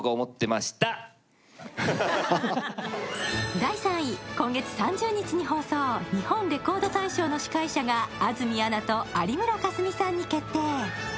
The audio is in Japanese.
第３位、今月３０日に放送「日本レコード大賞」の司会者が安住アナと有村架純さんに決定。